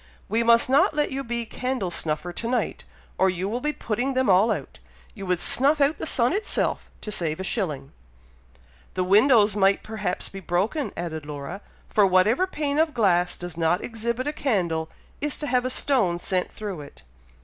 We must not let you be candle snuffer to night, or you will be putting them all out. You would snuff out the sun itself, to save a shilling." "The windows might perhaps be broken," added Laura; "for whatever pane of glass does not exhibit a candle, is to have a stone sent through it.